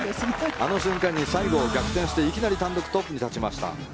あの瞬間に西郷を逆転していきなりトップに立ちました。